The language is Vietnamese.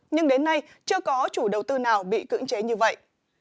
nhưng đến nay chưa có chủ đầu tư nào bị cưỡng chế như vậy